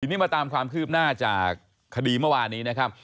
ทีนี้มาตามความคืบหน้าจากคดีเมื่อวานนี้นะครับ